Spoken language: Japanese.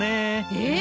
えっ？